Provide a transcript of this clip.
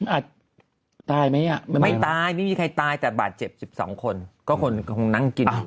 อาจตายไหมอ่ะไม่ตายไม่มีใครตายแต่บาดเจ็บ๑๒คนก็คนคงนั่งกิน